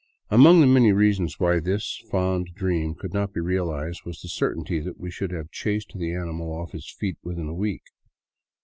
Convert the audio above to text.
Among the many reasons why this fond dream could not be realized was the certainty that we should lave chased the animal off his feet within a week.